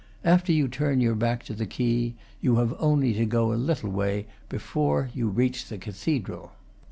After you turn your back to the quay you have only to go a little way before you reach the cathedral.